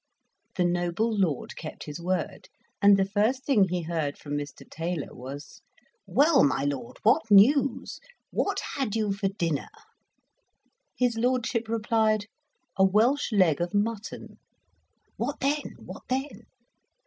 The noble Lord kept his word, and the first thing he heard from Mr. Taylor was, "Well, my lord, what news? what had you for dinner?" His lordship replied, "A Welsh leg of mutton." "What then what then?"